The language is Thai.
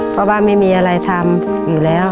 เพราะว่าไม่มีอะไรทำอยู่แล้ว